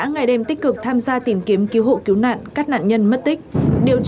ngày đêm tích cực tham gia tìm kiếm cứu hộ cứu nạn các nạn nhân mất tích điều